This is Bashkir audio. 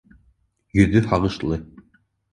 Йөҙө һағышлы